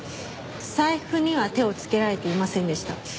財布には手をつけられていませんでした。